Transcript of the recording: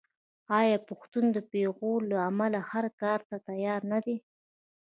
آیا پښتون د پېغور له امله هر کار ته تیار نه دی؟